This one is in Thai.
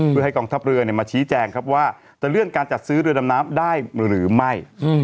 เพื่อให้กองทัพเรือมาชี้แจงครับว่าจะเลื่อนการจัดซื้อเรือดำน้ำได้หรือไม่